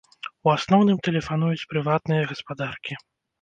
У асноўным тэлефануюць прыватныя гаспадаркі.